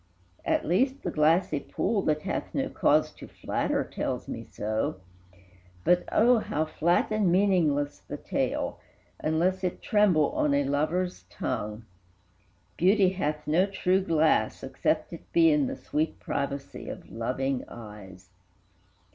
at least the glassy pool, That hath no cause to flatter, tells me so; But, O, how flat and meaningless the tale, Unless it tremble on a lover's tongue! Beauty hath no true glass, except it be In the sweet privacy of loving eyes."